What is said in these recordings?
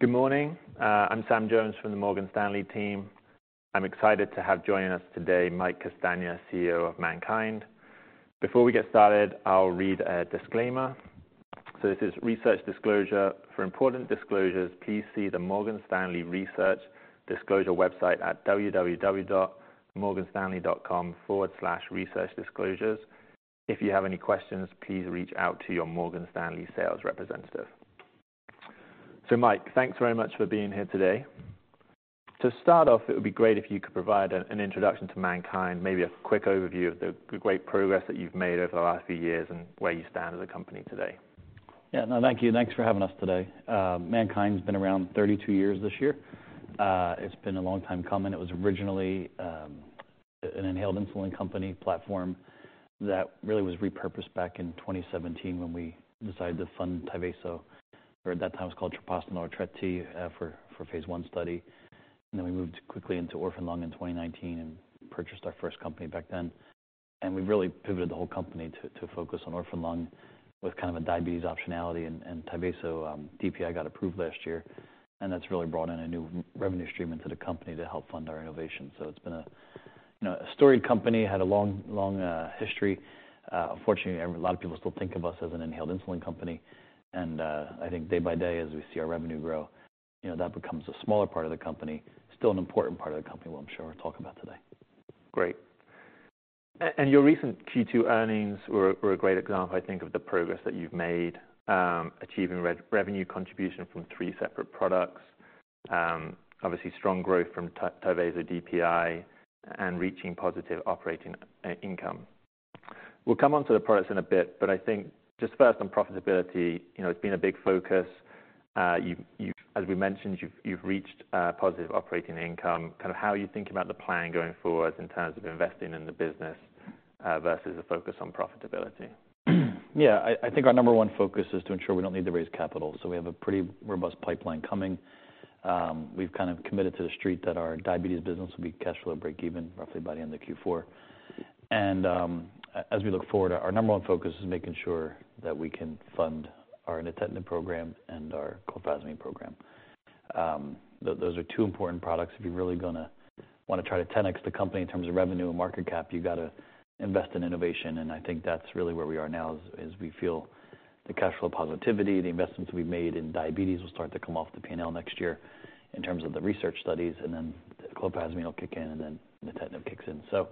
Good morning, I'm Sam Jones from the Morgan Stanley team. I'm excited to have joining us today, Mike Castagna, CEO of MannKind. Before we get started, I'll read a disclaimer. This is research disclosure. For important disclosures, please see the Morgan Stanley Research Disclosure website at www.morganstanley.com/researchdisclosures. If you have any questions, please reach out to your Morgan Stanley sales representative. Mike, thanks very much for being here today. To start off, it would be great if you could provide an introduction to MannKind, maybe a quick overview of the great progress that you've made over the last few years and where you stand as a company today. Yeah. No, thank you. Thanks for having us today. MannKind's been around 32 years this year. It's been a long time coming. It was originally, an inhaled insulin company platform that really was repurposed back in 2017 when we decided to fund Tyvaso, or at that time, it was called treprostinil or TreT, for, for phase I study. And then we moved quickly into orphan lung in 2019 and purchased our first company back then. And we've really pivoted the whole company to, to focus on orphan lung with kind of a diabetes optionality and, and Tyvaso DPI got approved last year, and that's really brought in a new revenue stream into the company to help fund our innovation. So it's been a, you know, a storied company, had a long, long, history. Unfortunately, a lot of people still think of us as an inhaled insulin company, and, I think day by day, as we see our revenue grow, you know, that becomes a smaller part of the company. Still an important part of the company, what I'm sure we'll talk about today. Great. And your recent Q2 earnings were a great example, I think, of the progress that you've made, achieving revenue contribution from three separate products. Obviously, strong growth from Tyvaso DPI and reaching positive operating income. We'll come on to the products in a bit, but I think just first on profitability, you know, it's been a big focus. As we mentioned, you've reached positive operating income. Kind of how are you thinking about the plan going forward in terms of investing in the business versus a focus on profitability? Yeah, I think our number one focus is to ensure we don't need to raise capital, so we have a pretty robust pipeline coming. We've kind of committed to the street that our diabetes business will be cash flow break even, roughly by the end of Q4. As we look forward, our number one focus is making sure that we can fund our nitazoxanide program and our clofazimine program. Those are two important products. If you're really gonna wanna try to 10x the company in terms of revenue and market cap, you've got to invest in innovation, and I think that's really where we are now, is we feel the cash flow positivity, the investments we've made in diabetes will start to come off the P&L next year in terms of the research studies, and then the clofazimine will kick in, and then nitazoxanide kicks in. So,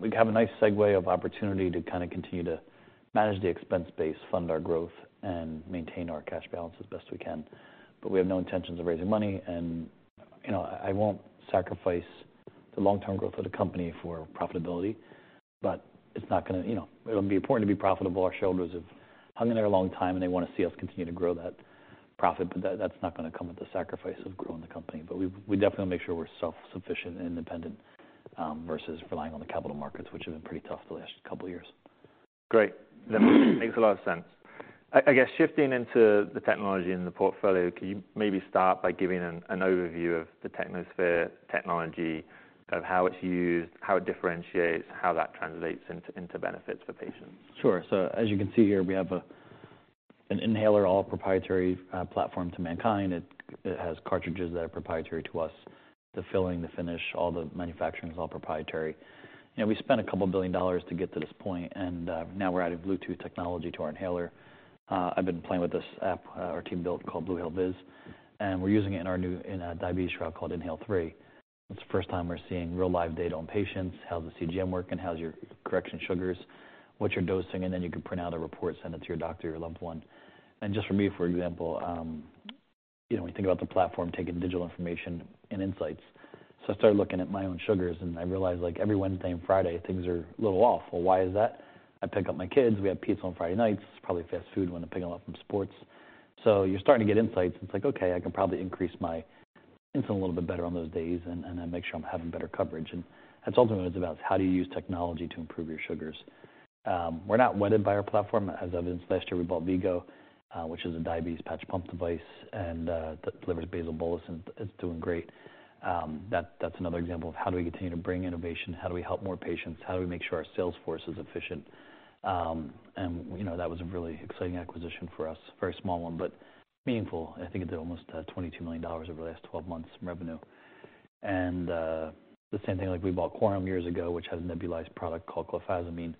we have a nice segue of opportunity to kind of continue to manage the expense base, fund our growth, and maintain our cash balance as best we can. But we have no intentions of raising money and, you know, I won't sacrifice the long-term growth of the company for profitability, but it's not gonna... You know, it'll be important to be profitable. Our shareholders have hung in there a long time, and they want to see us continue to grow that profit, but that- that's not gonna come with the sacrifice of growing the company. But we, we definitely make sure we're self-sufficient and independent versus relying on the capital markets, which have been pretty tough the last couple of years. Great. That makes a lot of sense. I guess shifting into the technology and the portfolio, can you maybe start by giving an overview of the Technosphere technology, kind of how it's used, how it differentiates, how that translates into benefits for patients? Sure. So as you can see here, we have an inhaler, all proprietary, platform to MannKind. It has cartridges that are proprietary to us, the filling, the finish, all the manufacturing is all proprietary. You know, we spent a couple of billion dollars to get to this point, and now we're adding Bluetooth technology to our inhaler. I've been playing with this app, our team built called BluHale VIS, and we're using it in our new in a diabetes route called INHALE-3. It's the first time we're seeing real live data on patients, how's the CGM working, how's your correction sugars, what you're dosing, and then you can print out a report, send it to your doctor, your loved one. And just for me, for example, you know, when you think about the platform, taking digital information and insights. So I started looking at my own sugars, and I realized, like, every Wednesday and Friday, things are a little off. Well, why is that? I pick up my kids, we have pizza on Friday nights, it's probably fast food when I'm picking them up from sports. So you're starting to get insights. It's like, okay, I can probably increase my insulin a little bit better on those days and, and then make sure I'm having better coverage. And that's ultimately, it's about how do you use technology to improve your sugars? We're not wedded by our platform. As evidenced last year, we bought V-Go, which is a diabetes patch pump device, and that delivers basal bolus, and it's doing great. That's another example of how do we continue to bring innovation, how do we help more patients, how do we make sure our sales force is efficient? And, you know, that was a really exciting acquisition for us. Very small one, but meaningful. I think it did almost $22 million over the last 12 months in revenue. And the same thing, like we bought QrumPharma years ago, which has a nebulized product called clofazimine.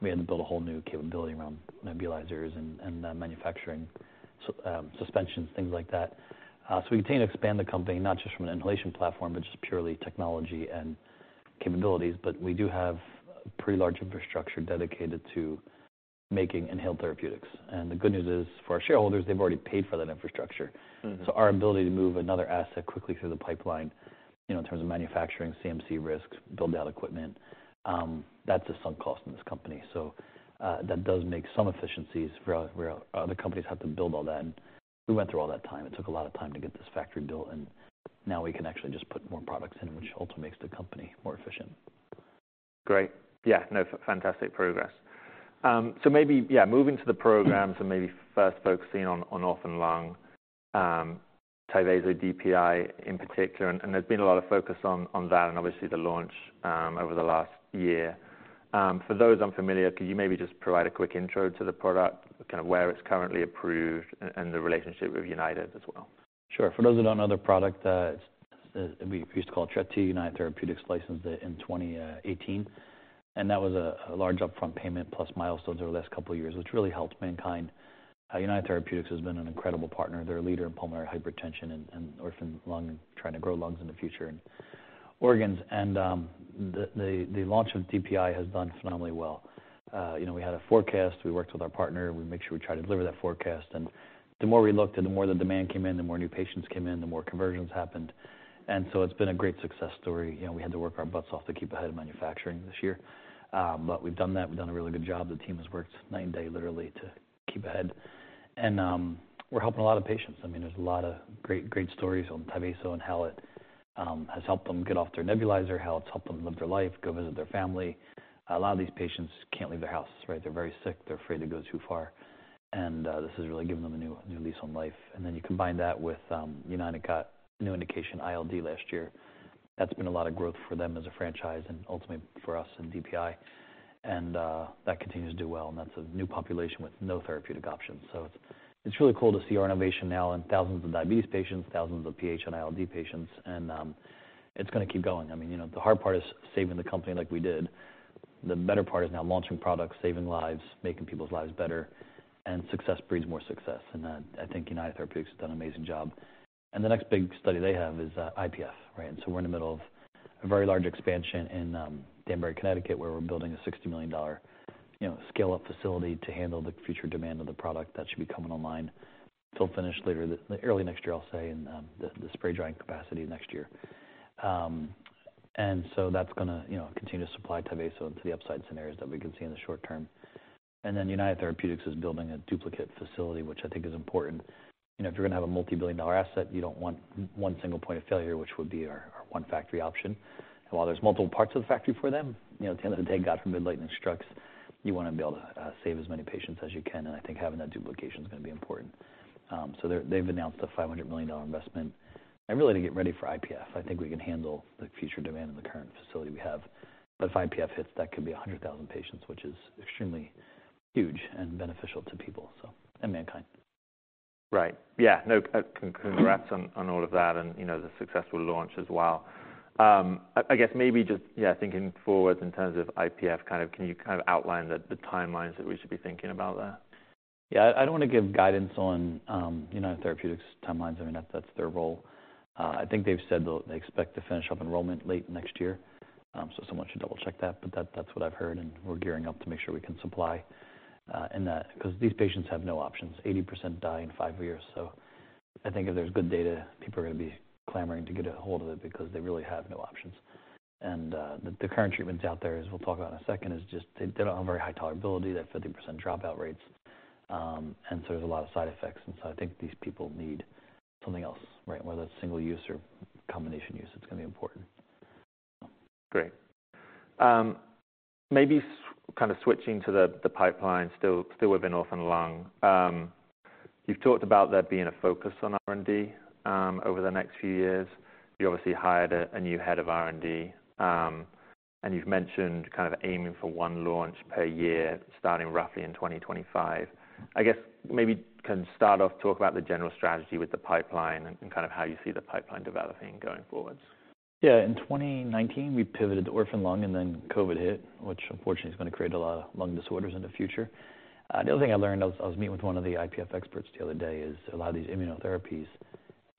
We had to build a whole new capability around nebulizers and manufacturing, suspensions, things like that. So we continue to expand the company, not just from an inhalation platform, but just purely technology and capabilities. But we do have a pretty large infrastructure dedicated to making inhaled therapeutics. And the good news is, for our shareholders, they've already paid for that infrastructure. Mm-hmm. Our ability to move another asset quickly through the pipeline, you know, in terms of manufacturing, CMC risks, build out equipment, that's a sunk cost in this company. So, that does make some efficiencies where other companies have to build all that. And we went through all that time. It took a lot of time to get this factory built, and now we can actually just put more products in, which also makes the company more efficient. Great. Yeah, no, fantastic progress. So maybe, yeah, moving to the programs and maybe first focusing on orphan lung, Tyvaso DPI in particular, and there's been a lot of focus on that and obviously the launch over the last year. For those unfamiliar, could you maybe just provide a quick intro to the product, kind of where it's currently approved, and the relationship with United as well? Sure. For those that don't know the product, it's we used to call it TreT. United Therapeutics licensed it in 2018, and that was a large upfront payment plus milestones over the last couple of years, which really helped MannKind. United Therapeutics has been an incredible partner. They're a leader in pulmonary hypertension and orphan lung, trying to grow lungs in the future, and organs. The launch of DPI has done phenomenally well. You know, we had a forecast, we worked with our partner, we make sure we try to deliver that forecast, and the more we looked and the more the demand came in, the more new patients came in, the more conversions happened. So it's been a great success story. You know, we had to work our butts off to keep ahead of manufacturing this year, but we've done that. We've done a really good job. The team has worked night and day, literally, to keep ahead. And, we're helping a lot of patients. I mean, there's a lot of great, great stories on Tyvaso and how it has helped them get off their nebulizer, how it's helped them live their life, go visit their family. A lot of these patients can't leave their houses, right? They're very sick, they're afraid to go too far, and, this has really given them a new, new lease on life. And then you combine that with, United got new indication ILD last year. That's been a lot of growth for them as a franchise and ultimately for us in DPI, and that continues to do well, and that's a new population with no therapeutic options. So it's, it's really cool to see our innovation now in thousands of diabetes patients, thousands of PH and ILD patients, and it's gonna keep going. I mean, you know, the hard part is saving the company like we did. The better part is now launching products, saving lives, making people's lives better, and success breeds more success, and I think United Therapeutics has done an amazing job. And the next big study they have is IPF, right? We're in the middle of a very large expansion in Danbury, Connecticut, where we're building a $60 million, you know, scale-up facility to handle the future demand of the product that should be coming online. It'll finish later. Early next year, I'll say, in the spray drying capacity next year. And so that's gonna, you know, continue to supply Tyvaso into the upside scenarios that we can see in the short term. And then United Therapeutics is building a duplicate facility, which I think is important. You know, if you're gonna have a multi-billion dollar asset, you don't want one single point of failure, which would be our one factory option. While there's multiple parts of the factory for them, you know, at the end of the day, God forbid, lightning strikes, you want to be able to save as many patients as you can, and I think having that duplication is gonna be important. So they've announced a $500 million investment, and really to get ready for IPF. I think we can handle the future demand in the current facility we have, but if IPF hits, that could be 100,000 patients, which is extremely huge and beneficial to people, so, and MannKind. Right. Yeah, no, congrats on all of that and, you know, the successful launch as well. I guess maybe just yeah, thinking forward in terms of IPF, kind of can you kind of outline the timelines that we should be thinking about there? Yeah, I don't want to give guidance on United Therapeutics' timelines. I mean, that's their role. I think they've said they'll they expect to finish up enrollment late next year. So someone should double-check that, but that's what I've heard, and we're gearing up to make sure we can supply, and that... Because these patients have no options. 80% die in five years. So I think if there's good data, people are gonna be clamoring to get a hold of it because they really have no options. And the current treatments out there, as we'll talk about in a second, is just they don't have very high tolerability, they have 50% dropout rates, and so there's a lot of side effects. And so I think these people need something else, right? Whether it's single use or combination use, it's gonna be important. Great. Maybe kind of switching to the pipeline, still within orphan lung. You've talked about there being a focus on R&D over the next few years. You obviously hired a new head of R&D, and you've mentioned kind of aiming for one launch per year, starting roughly in 2025. I guess maybe can you start off, talk about the general strategy with the pipeline and kind of how you see the pipeline developing going forwards? Yeah. In 2019, we pivoted to orphan lung, and then COVID hit, which unfortunately is gonna create a lot of lung disorders in the future. The other thing I learned, I was meeting with one of the IPF experts the other day, is a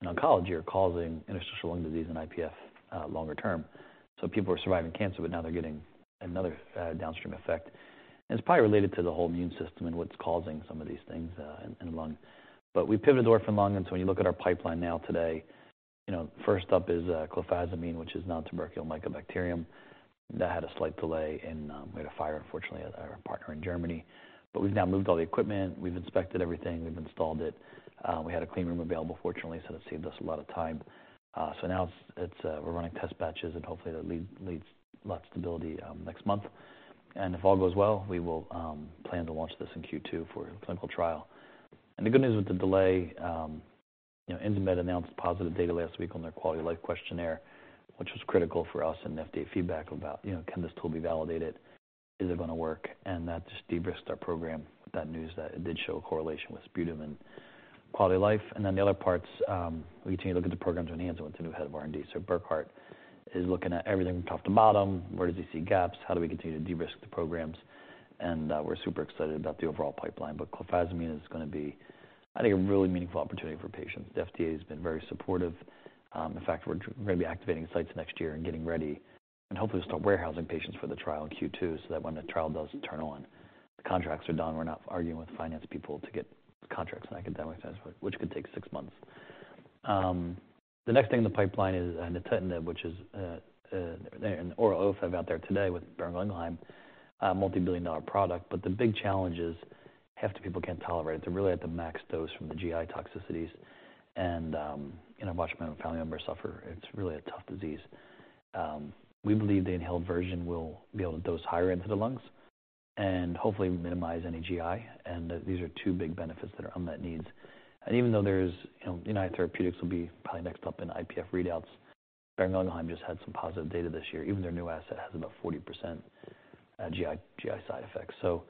lot of these immunotherapies in oncology are causing interstitial lung disease and IPF longer term. So people are surviving cancer, but now they're getting another downstream effect. And it's probably related to the whole immune system and what's causing some of these things in the lung. But we pivoted to orphan lung, and so when you look at our pipeline now today, you know, first up is clofazimine, which is nontuberculous mycobacterial. That had a slight delay in... We had a fire, unfortunately, at our partner in Germany, but we've now moved all the equipment. We've inspected everything, we've installed it. We had a clean room available, fortunately, so that saved us a lot of time. So now it's, we're running test batches, and hopefully, that leads to a lot of stability next month. And if all goes well, we will plan to launch this in Q2 for a clinical trial. And the good news with the delay, you know, Insmed announced positive data last week on their quality of life questionnaire, which was critical for us in FDA feedback about, you know, can this tool be validated? Is it gonna work? And that just de-risked our program, that news, that it did show a correlation with speed of and quality of life. And then the other parts, we continue to look at the programs enhancing with the new head of R&D. So Burkhard is looking at everything from top to bottom. Where does he see gaps? How do we continue to de-risk the programs? And we're super excited about the overall pipeline. But clofazimine is gonna be, I think, a really meaningful opportunity for patients. The FDA has been very supportive. In fact, we're gonna be activating sites next year and getting ready, and hopefully, start warehousing patients for the trial in Q2, so that when the trial does turn on, the contracts are done. We're not arguing with finance people to get contracts, and I get that, which could take six months. The next thing in the pipeline is nintedanib, which is an oral OFEV out there today with Boehringer Ingelheim, a multi-billion dollar product. But the big challenge is, half the people can't tolerate it. They're really at the max dose from the GI toxicities, and, you know, I've watched my family members suffer. It's really a tough disease. We believe the inhaled version will be able to dose higher into the lungs and hopefully minimize any GI, and these are two big benefits that are unmet needs. And even though there's, you know, United Therapeutics will be probably next up in IPF readouts, Boehringer Ingelheim just had some positive data this year. Even their new asset has about 40% GI side effects. So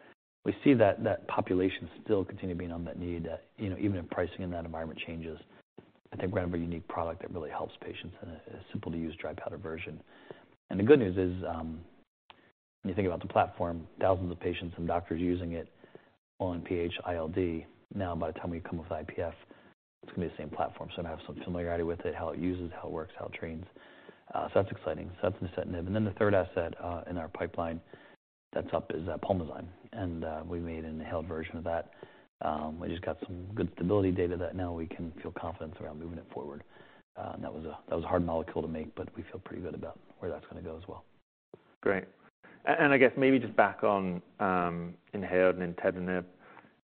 we see that population still continue being on that need, you know, even if pricing in that environment changes. I think we have a unique product that really helps patients in a simple-to-use dry powder version. And the good news is, when you think about the platform, thousands of patients and doctors using it on PH-ILD. Now, by the time we come up with IPF, it's gonna be the same platform. So gonna have some familiarity with it, how it uses, how it works, how it trains. So that's exciting. So that's nintedanib. And then the third asset in our pipeline that's up is Pulmozyme, and we made an inhaled version of that. We just got some good stability data that now we can feel confident around moving it forward. And that was a hard molecule to make, but we feel pretty good about where that's gonna go as well. Great. And I guess maybe just back on inhaled nintedanib,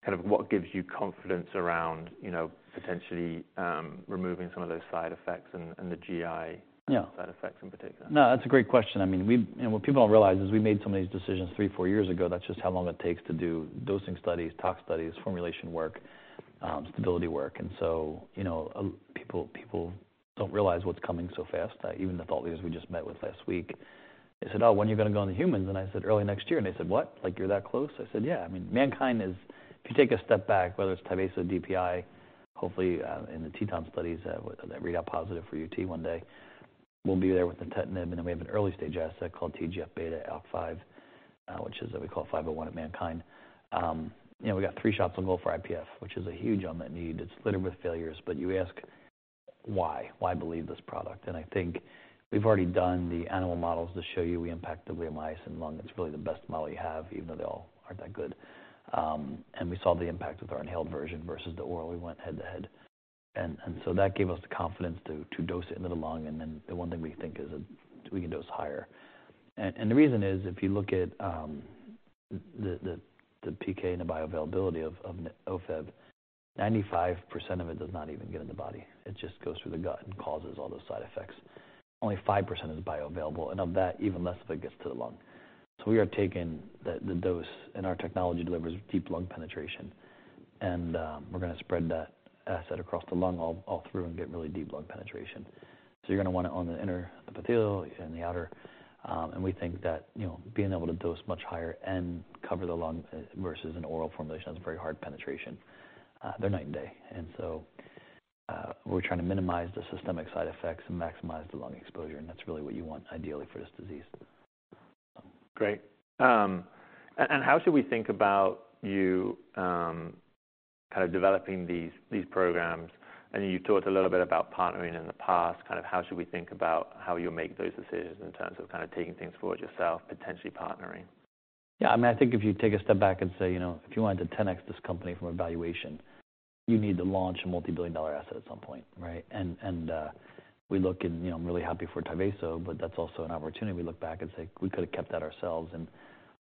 kind of what gives you confidence around, you know, potentially removing some of those side effects and the GI- Yeah. side effects in particular? No, that's a great question. I mean, we... And what people don't realize is we made some of these decisions three, four years ago. That's just how long it takes to do dosing studies, tox studies, formulation work, stability work. And so, you know, people, people don't realize what's coming so fast. Even the thought leaders we just met with last week, they said, "Oh, when are you gonna go into humans?" And I said, "Early next year." And they said, "What? Like, you're that close?" I said, "Yeah." I mean, MannKind is... If you take a step back, whether it's Tyvaso DPI, hopefully, in the TETON studies, that read out positive for UT one day, we'll be there with the nintedanib, and then we have an early-stage asset called TGF-beta ALK-5, which is, we call 501 at MannKind. You know, we got three shots on goal for IPF, which is a huge unmet need. It's littered with failures, but you ask, "Why? Why believe this product?" And I think we've already done the animal models to show you we impact the wheel in mice and lung. It's really the best model you have, even though they all aren't that good. We saw the impact with our inhaled version versus the oral. We went head-to-head. So that gave us the confidence to dose it into the lung, and then the one thing we think is we can dose higher. The reason is, if you look at the PK and the bioavailability of OFEV, 95% of it does not even get in the body. It just goes through the gut and causes all those side effects. Only 5% is bioavailable, and of that, even less of it gets to the lung. So we are taking the dose, and our technology delivers deep lung penetration. And we're gonna spread that asset across the lung all through and get really deep lung penetration. So you're gonna want it on the inner, the parenchyma and the outer. And we think that, you know, being able to dose much higher and cover the lung versus an oral formulation has very hard penetration, they're night and day. And so we're trying to minimize the systemic side effects and maximize the lung exposure, and that's really what you want ideally for this disease. Great. And how should we think about you kind of developing these programs? I know you've talked a little bit about partnering in the past. Kind of how should we think about how you make those decisions in terms of kind of taking things forward yourself, potentially partnering? Yeah, I mean, I think if you take a step back and say, you know, if you wanted to 10x this company from a valuation, you need to launch a multi-billion dollar asset at some point, right? And we look and, you know, I'm really happy for Tyvaso, but that's also an opportunity. We look back and say, "We could have kept that ourselves,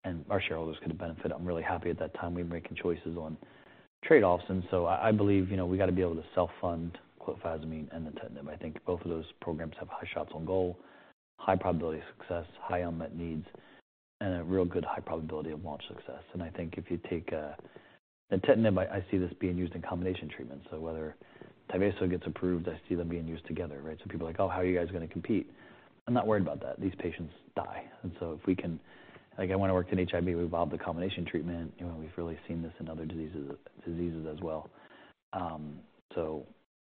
and our shareholders could have benefited." I'm really happy at that time we were making choices on trade-offs, and so I believe, you know, we gotta be able to self-fund clofazimine and the nintedanib. I think both of those programs have high shots on goal, high probability of success, high unmet needs, and a real good high probability of launch success. And I think if you take a... The nintedanib, I see this being used in combination treatment. So whether Tyvaso gets approved, I see them being used together, right? So people are like: "Oh, how are you guys gonna compete?" I'm not worried about that. These patients die. And so if we can... Like, I want to work in HIV, we evolved the combination treatment, you know, we've really seen this in other diseases, diseases as well. So,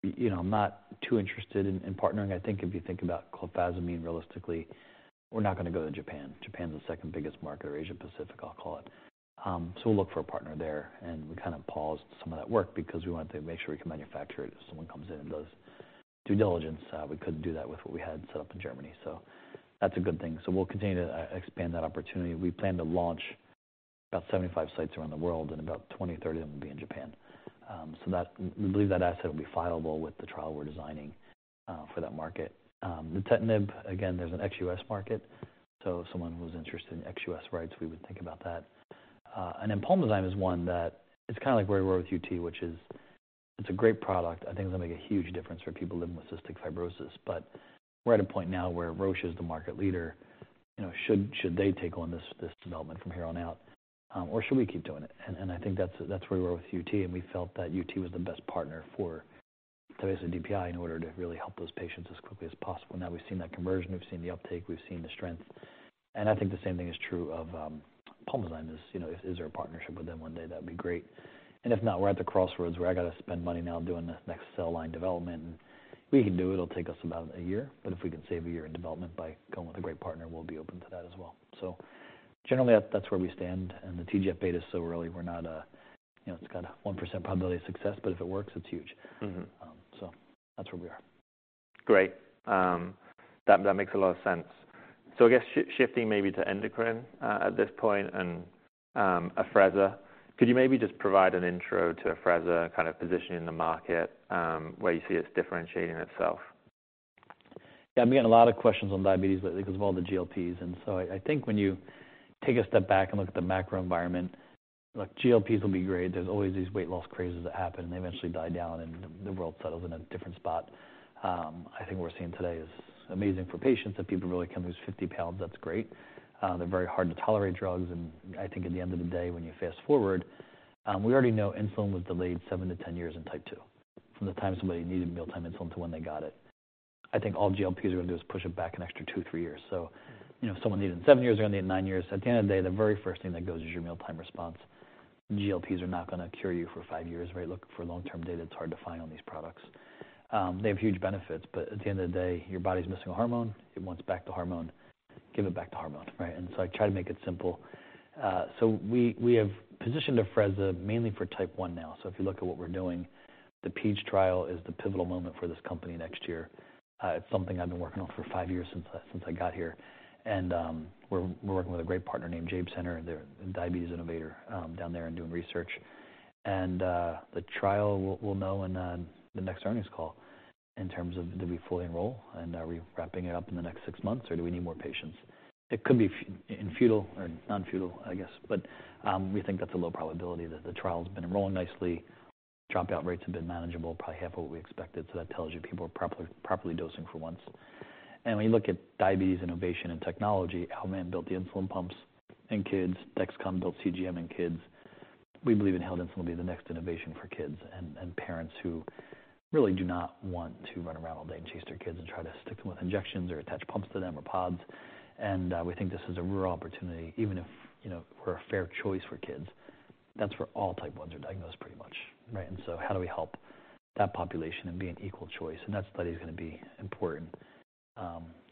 you know, I'm not too interested in, in partnering. I think if you think about clofazimine, realistically, we're not gonna go to Japan. Japan is the second biggest market, or Asia Pacific, I'll call it. So we'll look for a partner there, and we kind of paused some of that work because we wanted to make sure we can manufacture it. If someone comes in and does due diligence, we couldn't do that with what we had set up in Germany. So that's a good thing. So we'll continue to expand that opportunity. We plan to launch about 75 sites around the world, and about 20-30 of them will be in Japan. We believe that asset will be fileable with the trial we're designing for that market. The nintedanib, again, there's an ex-U.S. market, so if someone was interested in ex-U.S. rights, we would think about that. And then Pulmozyme is one that it's kind of like where we were with UT, which is, it's a great product. I think it's gonna make a huge difference for people living with cystic fibrosis, but we're at a point now where Roche is the market leader. You know, should they take on this development from here on out? Or should we keep doing it? I think that's where we were with UT, and we felt that UT was the best partner for Tyvaso DPI in order to really help those patients as quickly as possible. Now, we've seen that conversion, we've seen the uptake, we've seen the strength, and I think the same thing is true of Pulmozyme. You know, is there a partnership with them one day? That'd be great. And if not, we're at the crossroads where I gotta spend money now doing the next cell line development, and we can do it. It'll take us about a year, but if we can save a year in development by going with a great partner, we'll be open to that as well. So generally, that's where we stand, and the TGF-beta is so early, we're not a, you know, it's got a 1% probability of success, but if it works, it's huge. Mm-hmm. So that's where we are. Great. That makes a lot of sense. So I guess shifting maybe to endocrine, at this point and, Afrezza, could you maybe just provide an intro to Afrezza, kind of positioning in the market, where you see it's differentiating itself? Yeah, I'm getting a lot of questions on diabetes lately because of all the GLPs. And so I, I think when you take a step back and look at the macro environment. Look, GLPs will be great. There's always these weight loss crazes that happen, and they eventually die down, and the world settles in a different spot. I think what we're seeing today is amazing for patients, that people really can lose 50 pounds. That's great. They're very hard to tolerate drugs, and I think at the end of the day, when you fast forward, we already know insulin was delayed seven to 10 years in Type 2, from the time somebody needed mealtime insulin to when they got it. I think all GLPs are gonna do is push it back an extra two, three years. So, you know, if someone needed it in seven years, they're gonna need it in nine years. At the end of the day, the very first thing that goes is your mealtime response. GLPs are not gonna cure you for five years, right? Look, for long-term data, it's hard to find on these products. They have huge benefits, but at the end of the day, your body's missing a hormone. It wants back the hormone, give it back the hormone, right? And so I try to make it simple. So we have positioned Afrezza mainly for type 1 now. So if you look at what we're doing, the PEACH Trial is the pivotal moment for this company next year. It's something I've been working on for five years since I got here, and we're working with a great partner named Jaeb Center. They're a diabetes innovator, down there and doing research. The trial, we'll, we'll know in the next earnings call in terms of did we fully enroll, and are we wrapping it up in the next six months, or do we need more patients? It could be futile or non-futile, I guess, but we think that's a low probability, that the trial's been enrolling nicely. Dropout rates have been manageable, probably half what we expected, so that tells you people are properly, properly dosing for once. And when you look at diabetes, innovation, and technology, Al Mann built the insulin pumps in kids. Dexcom built CGM in kids. We believe inhaled insulin will be the next innovation for kids and parents who really do not want to run around all day and chase their kids and try to stick them with injections or attach pumps to them or pods. We think this is a real opportunity, even if, you know, we're a fair choice for kids. That's where all type 1s are diagnosed, pretty much, right? So how do we help that population and be an equal choice? That study is gonna be important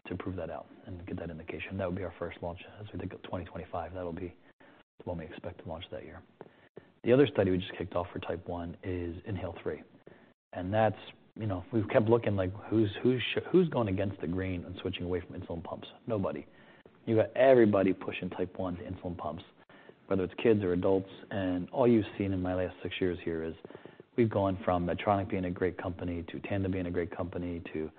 to prove that out and get that indication. That would be our first launch. As we think of 2025, that'll be what we expect to launch that year. The other study we just kicked off for type 1 is INHALE-3, and that's... You know, we've kept looking, like, who's going against the grain and switching away from insulin pumps? Nobody. You got everybody pushing type 1 to insulin pumps, whether it's kids or adults, and all you've seen in my last six years here is we've gone from Medtronic being a great company, to Tandem being a great company, to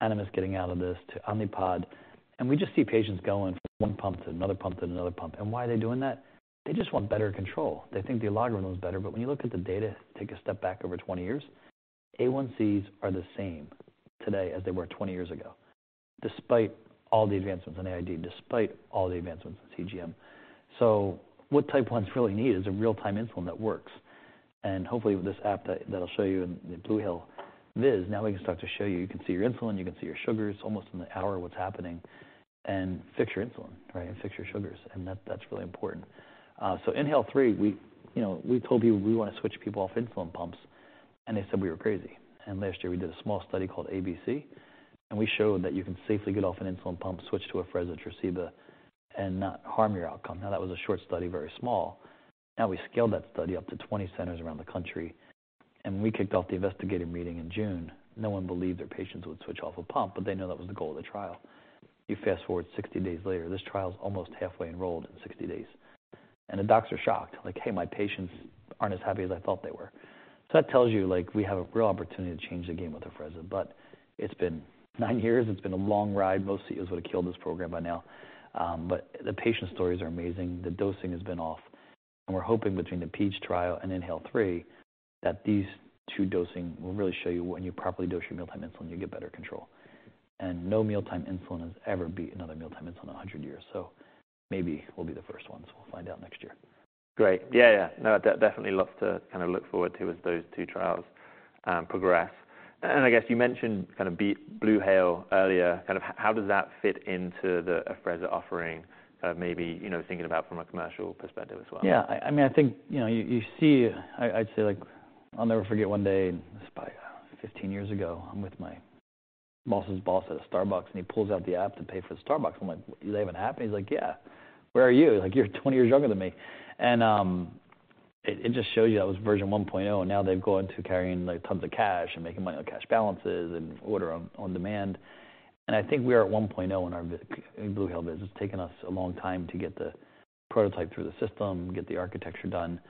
Animas getting out of this, to Omnipod. And we just see patients going from one pump to another pump to another pump. And why are they doing that? They just want better control. They think the algorithm is better, but when you look at the data, take a step back over 20 years, A1Cs are the same today as they were 20 years ago, despite all the advancements in AID, despite all the advancements in CGM. So what type 1s really need is a real-time insulin that works, and hopefully with this app that, that'll show you in the BluHale VIS, now we can start to show you. You can see your insulin, you can see your sugars, almost in the hour, what's happening, and fix your insulin, right? And fix your sugars. And that, that's really important. So INHALE-3, we, you know, we told people we wanna switch people off insulin pumps, and they said we were crazy. And last year we did a small study called ABC, and we showed that you can safely get off an insulin pump, switch to Afrezza Tresiba, and not harm your outcome. Now, that was a short study, very small. Now, we scaled that study up to 20 centers around the country, and when we kicked off the investigative meeting in June, no one believed their patients would switch off a pump, but they know that was the goal of the trial. You fast-forward 60 days later, this trial is almost halfway enrolled in 60 days, and the docs are shocked. Like, "Hey, my patients aren't as happy as I thought they were." So that tells you, like, we have a real opportunity to change the game with Afrezza, but it's been nine years. It's been a long ride. Most CEOs would have killed this program by now, but the patient stories are amazing. The dosing has been off, and we're hoping between the PEACH Trial and INHALE-3, that these two dosing will really show you when you properly dose your mealtime insulin, you get better control. No mealtime insulin has ever beat another mealtime insulin in 100 years, so maybe we'll be the first ones. We'll find out next year. Great. Yeah, yeah. No, definitely lots to kind of look forward to as those two trials progress. And I guess you mentioned kind of BluHale earlier. Kind of, how does that fit into the Afrezza offering, maybe, you know, thinking about from a commercial perspective as well? Yeah, I mean, I think, you know, you see. I'd say, like, I'll never forget, one day, it's probably 15 years ago, I'm with my boss's boss at a Starbucks, and he pulls out the app to pay for the Starbucks. I'm like: "Do they have an app?" And he's like: "Yeah. Where are you?" Like: "You're 20 years younger than me." And it just shows you, that was version 1.0, and now they've gone to carrying, like, tons of cash and making money on cash balances and order on demand. And I think we are at 1.0 in our BluHale business. It's taken us a long time to get the prototype through the system, get the architecture done,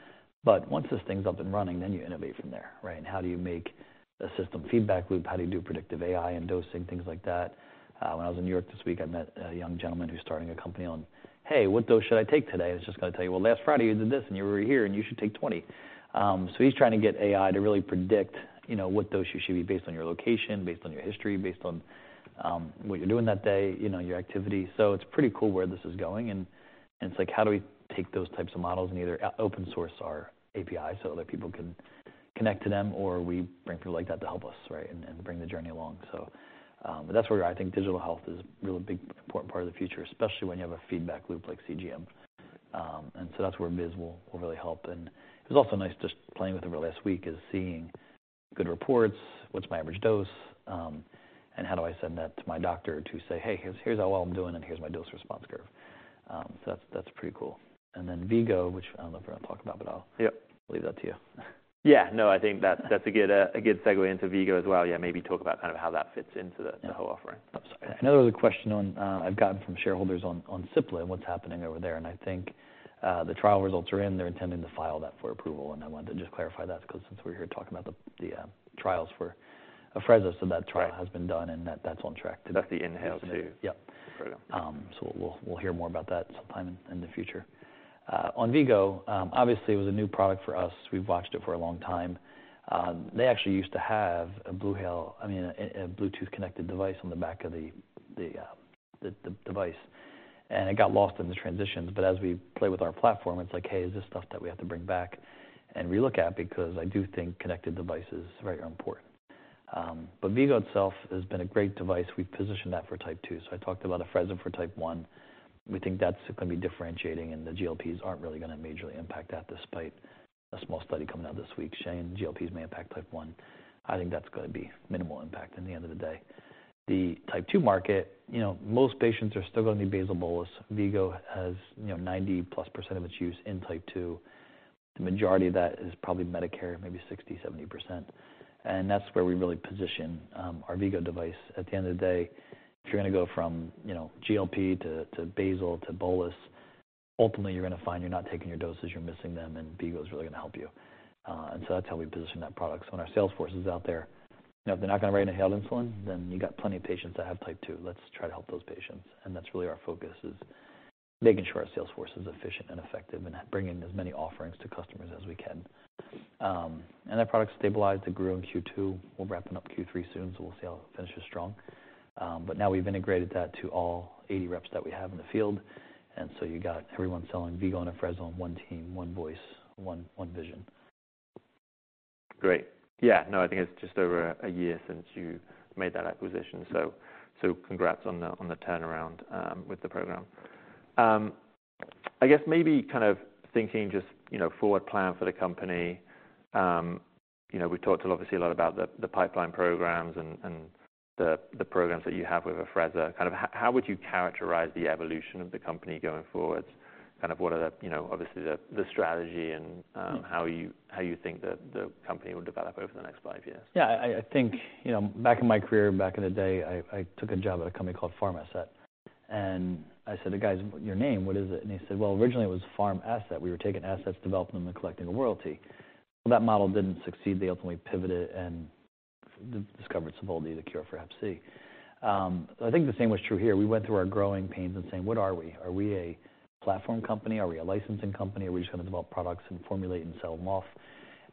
but once this thing's up and running, then you innovate from there, right? How do you make a system feedback loop? How do you do predictive AI and dosing, things like that? When I was in New York this week, I met a young gentleman who's starting a company on, "Hey, what dose should I take today?" He's just gonna tell you: "Well, last Friday, you did this, and you were here, and you should take 20." So he's trying to get AI to really predict, you know, what dose you should be based on your location, based on your history, based on what you're doing that day, you know, your activity. So it's pretty cool where this is going, and, and it's like, how do we take those types of models and either open source our API so other people can connect to them, or we bring people like that to help us, right? And bring the journey along. So, but that's where I think digital health is a really big, important part of the future, especially when you have a feedback loop like CGM. And so that's where BluHale will really help. And it was also nice just playing with it over last week is seeing good reports. What's my average dose? And how do I send that to my doctor to say, "Hey, here's how well I'm doing, and here's my dose-response curve." So that's pretty cool. And then V-Go, which I don't know if we're gonna talk about, but I'll- Yep. Leave that to you. Yeah. No, I think that's, that's a good, a good segue into V-Go as well. Yeah, maybe talk about kind of how that fits into the- Yeah -the whole offering. I'm sorry. I know there was a question on, I've gotten from shareholders on, on Cipla and what's happening over there, and I think, the trial results are in. They're intending to file that for approval, and I wanted to just clarify that because since we're here talking about the, the, trials for Afrezza, so that trial has been done, and that, that's on track to. That's the inhaled, too? Yep. Afrezza. So we'll hear more about that sometime in the future. On V-Go, obviously, it was a new product for us. We've watched it for a long time. They actually used to have a BluHale—I mean, a Bluetooth-connected device on the back of the device, and it got lost in the transition. But as we play with our platform, it's like, "Hey, is this stuff that we have to bring back and relook at?" Because I do think connected devices are very important. But V-Go itself has been a great device. We've positioned that for type 2. So I talked about Afrezza for type 1. We think that's gonna be differentiating, and the GLPs aren't really gonna majorly impact that, despite a small study coming out this week saying GLPs may impact type 1. I think that's gonna be minimal impact in the end of the day. The type 2 market, you know, most patients are still gonna need basal bolus. V-Go has, you know, 90+% of its use in type 2. The majority of that is probably Medicare, maybe 60%, 70%, and that's where we really position our V-Go device. At the end of the day, if you're gonna go from, you know, GLP to basal to bolus, ultimately, you're gonna find you're not taking your doses, you're missing them, and V-Go is really gonna help you. And so that's how we position that product. So when our sales force is out there, you know, if they're not gonna write inhaled insulin, then you got plenty of patients that have type 2. Let's try to help those patients, and that's really our focus, is making sure our sales force is efficient and effective and bringing as many offerings to customers as we can. And that product stabilized and grew in Q2. We're wrapping up Q3 soon, so we'll see how it finishes strong. But now we've integrated that to all 80 reps that we have in the field, and so you got everyone selling V-Go and Afrezza on one team, one voice, one, one vision. Great. Yeah. No, I think it's just over a year since you made that acquisition, so congrats on the turnaround with the program. I guess maybe kind of thinking just, you know, forward plan for the company. You know, we've talked obviously a lot about the pipeline programs and the programs that you have with Afrezza. Kind of how would you characterize the evolution of the company going forward? Kind of what are the, you know, obviously, the strategy and how you think the company will develop over the next five years? Yeah, I think, you know, back in my career, back in the day, I took a job at a company called Pharmasset, and I said to the guy, "Your name, what is it?" And he said, "Well, originally it was Pharmasset. We were taking assets, developing them, and collecting a royalty." Well, that model didn't succeed. They ultimately pivoted and discovered SOVALDI, the cure for hep C. I think the same was true here. We went through our growing pains and saying: What are we? Are we a platform company? Are we a licensing company, or are we just gonna develop products and formulate and sell them off?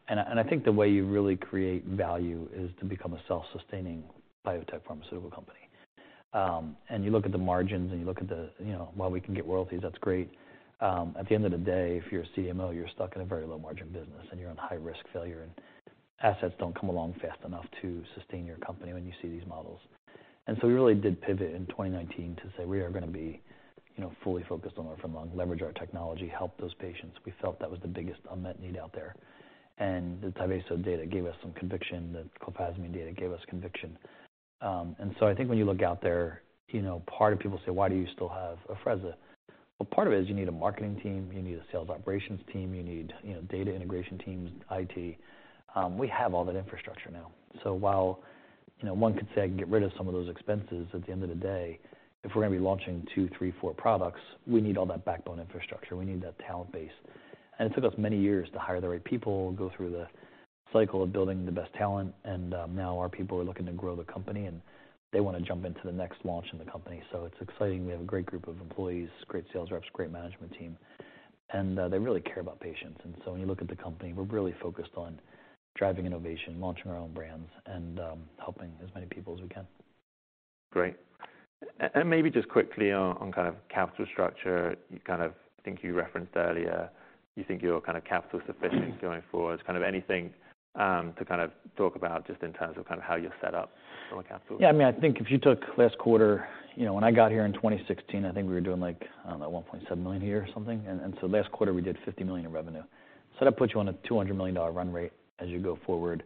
And I think the way you really create value is to become a self-sustaining biotech pharmaceutical company. And you look at the margins, and you look at the, you know. While we can get royalties, that's great, at the end of the day, if you're a CDMO, you're stuck in a very low-margin business, and you're on high-risk failure, and assets don't come along fast enough to sustain your company when you see these models. And so we really did pivot in 2019 to say, "We are gonna be, you know, fully focused on our pharma and leverage our technology, help those patients." We felt that was the biggest unmet need out there. And the Tyvaso data gave us some conviction, the clofazimine data gave us conviction. And so I think when you look out there, you know, part of people say, "Why do you still have Afrezza?" Well, part of it is you need a marketing team, you need a sales operations team, you need, you know, data integration teams, IT. We have all that infrastructure now. So while, you know, one could say, "I can get rid of some of those expenses," at the end of the day, if we're gonna be launching two, three, four products, we need all that backbone infrastructure. We need that talent base. And it took us many years to hire the right people and go through the cycle of building the best talent, and now our people are looking to grow the company, and they wanna jump into the next launch in the company. So it's exciting. We have a great group of employees, great sales reps, great management team, and they really care about patients. And so when you look at the company, we're really focused on driving innovation, launching our own brands, and helping as many people as we can. Great. And maybe just quickly on, on kind of capital structure. You kind of, I think you referenced earlier, you think you're kind of capital sufficient going forward. Kind of anything to kind of talk about just in terms of kind of how you're set up from a capital? Yeah, I mean, I think if you took last quarter... You know, when I got here in 2016, I think we were doing, like, I don't know, $1.7 million a year or something, and so last quarter, we did $50 million in revenue. So that puts you on a $200 million run rate as you go forward.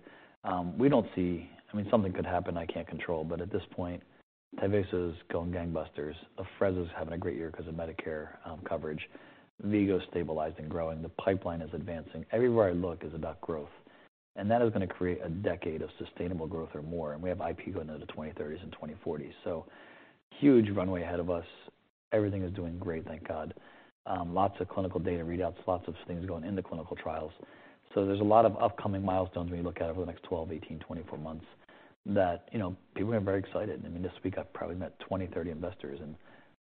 We don't see... I mean, something could happen I can't control, but at this point, Tyvaso is going gangbusters. Afrezza is having a great year 'cause of Medicare coverage. V-Go stabilized and growing. The pipeline is advancing. Everywhere I look is about growth, and that is gonna create a decade of sustainable growth or more, and we have IP going into the 2030s and 2040s, so huge runway ahead of us. Everything is doing great, thank God. Lots of clinical data readouts, lots of things going into clinical trials. So there's a lot of upcoming milestones when you look out over the next 12, 18, 24 months that, you know, people are very excited. I mean, this week I've probably met 20, 30 investors, and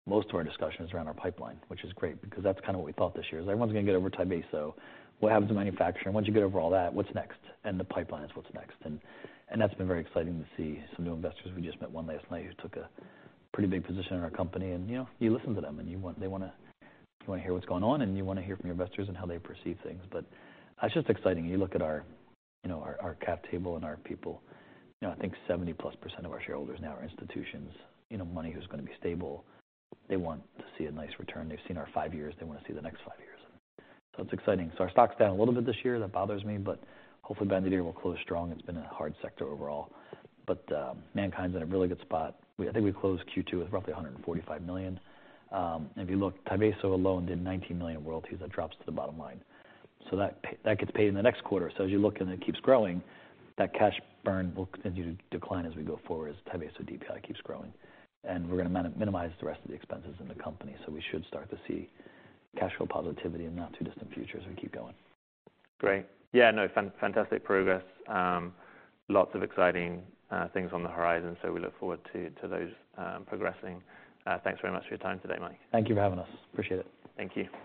most of our discussion is around our pipeline, which is great because that's kind of what we thought this year. Everyone's gonna get over Tyvaso. What happens to manufacturing? Once you get over all that, what's next? And the pipeline is what's next. And, and that's been very exciting to see some new investors. We just met one last night who took a pretty big position in our company, and, you know, you listen to them, and you want to hear what's going on, and you want to hear from your investors and how they perceive things. But that's just exciting. You look at our, you know, our cap table and our people, you know, I think 70+% of our shareholders now are institutions, you know, money who's gonna be stable. They want to see a nice return. They've seen our five years. They wanna see the next five years. So it's exciting. So our stock's down a little bit this year. That bothers me, but hopefully, by the end of the year, we'll close strong. It's been a hard sector overall. But, MannKind's in a really good spot. I think we closed Q2 with roughly $145 million. If you look, Tyvaso alone did $19 million royalties. That drops to the bottom line. So that gets paid in the next quarter. So as you look and it keeps growing, that cash burn will continue to decline as we go forward, as Tyvaso DPI keeps growing. And we're gonna minimize the rest of the expenses in the company, so we should start to see cash flow positivity in the not-too-distant future as we keep going. Great. Yeah, no, fantastic progress. Lots of exciting things on the horizon, so we look forward to those progressing. Thanks very much for your time today, Mike. Thank you for having us. Appreciate it. Thank you.